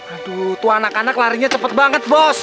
aduh tuh anak anak larinya cepet banget bos